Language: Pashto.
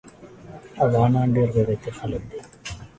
افغانان ډیر غیرتي خلک دي